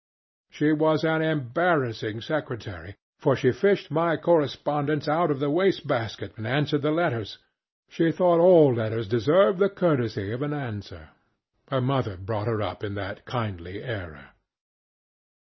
She was an embarrassing secretary, for she fished my correspondence out of the waste basket and answered the letters. She thought all letters deserved the courtesy of an answer. Her mother brought her up in that kindly error.